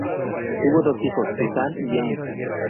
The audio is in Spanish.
Tuvo dos hijos: Susanne y James.